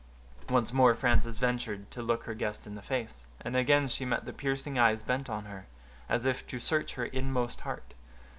Once more Frances ventured to look her guest in the face, and again she met the piercing eyes bent on her, as if to search her inmost heart.